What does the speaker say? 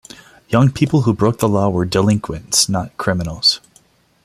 Young people who broke the law were "delinquents," not criminals.